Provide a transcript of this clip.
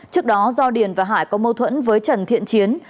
trước đó do điền và hải có mâu thuẫn với trần thiện chiến